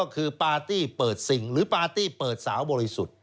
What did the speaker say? ก็คือปาร์ตี้เปิดสิ่งหรือปาร์ตี้เปิดสาวบริสุทธิ์